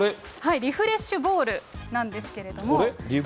リフレッシュボールなんですけれども。